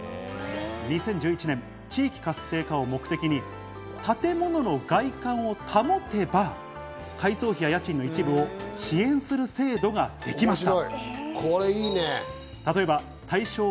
２０１１年、地域活性化を目的に建物の外観を保てば、改装費や家賃の一部を支援する制度ができました。